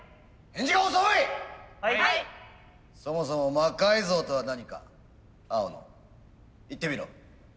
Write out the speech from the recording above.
そもそも魔改造とは何か青野言ってみろ。